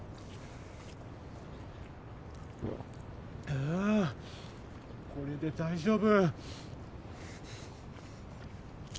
あぁこれで大丈夫！